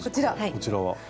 こちらは。